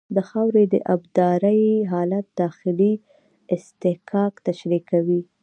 د خاورې د ابدارۍ حالت داخلي اصطکاک تشریح کوي